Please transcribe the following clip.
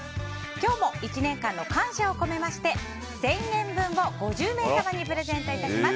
今日も１年間の感謝を込めまして１０００円分を５０名様にプレゼント致します。